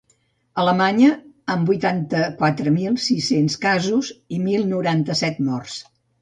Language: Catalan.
Alemanya, amb vuitanta-quatre mil sis-cents casos i mil noranta-set morts.